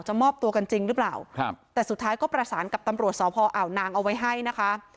มอบตัวกันจริงหรือเปล่าครับแต่สุดท้ายก็ประสานกับตำรวจสพอ่าวนางเอาไว้ให้นะคะ